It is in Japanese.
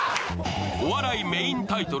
お笑いメインタイトル